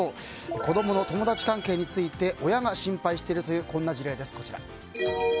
子供の友達関係について親が心配しているという事例です。